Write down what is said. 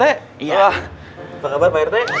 apa kabar pak rt